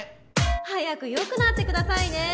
早く良くなってくださいね店長。